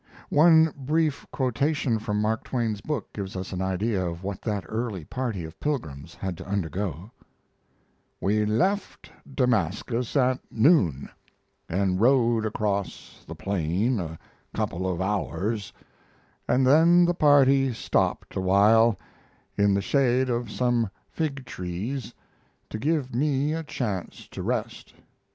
One brief quotation from Mark Twain's book gives us an idea of what that early party of pilgrims had to undergo: We left Damascus at noon and rode across the plain a couple of hours, and then the party stopped a while in the shade of some fig trees to give me a chance to rest.